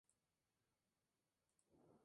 Una de estas secreciones es ácida.